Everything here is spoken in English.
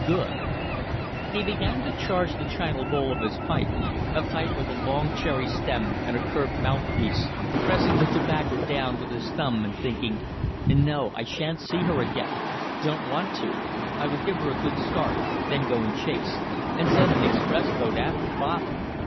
Good." He began to charge the china bowl of his pipe, a pipe with a long cherry stem and a curved mouthpiece, pressing the tobacco down with his thumb and thinking: No. I sha'n't see her again. Don't want to. I will give her a good start, then go in chase and send an express boat after father.